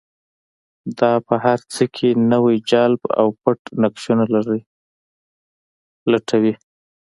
دا په هر څه کې نوی چلند او پټ نقشونه لټوي.